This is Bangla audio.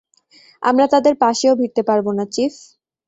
আমরা তাদের পাশেও ভিরতে পারব না, চিফ।